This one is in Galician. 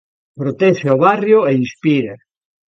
Protexe o barrio e inspira.